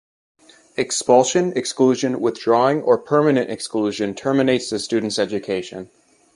Expulsion, exclusion, withdrawing, or permanent exclusion terminates the student's education.